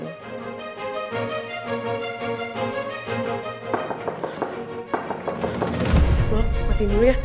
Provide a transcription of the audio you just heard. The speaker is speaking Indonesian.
isma matiin dulu ya